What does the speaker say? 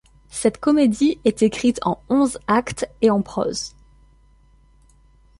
Cette comédie est écrite en onze actes et en prose.